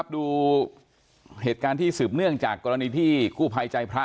ดูเหตุการณ์ที่สืบเนื่องจากกรณีที่กู้ภัยใจพระ